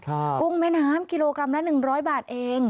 กุ้งแม่น้ำกิโลกรัมละ๑๐๐บาทเอง